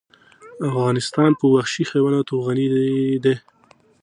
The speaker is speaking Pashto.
افغانستان په وحشي حیوانات غني دی.